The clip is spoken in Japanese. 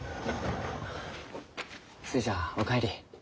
寿恵ちゃんお帰り。